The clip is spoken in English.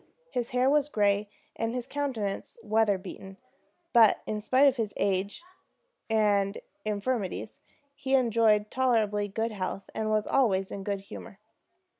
His hair was gray, and his countenance weather beaten; but in spite of his age and infirmities he enjoyed tolerably good health, and was always in good humor.